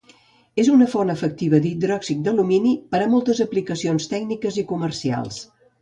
És una font efectiva d'hidròxid d'alumini per a moltes aplicacions tècniques i comercials.